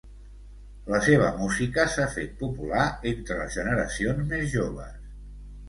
La seva música s'ha fet popular entre les generacions més joves.